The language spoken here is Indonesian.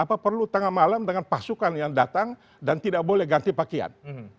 apa perlu tengah malam dengan pasukan yang datang dan tidak boleh ganti pakaian